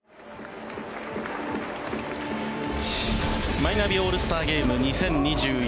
マイナビオールスターゲーム２０２１。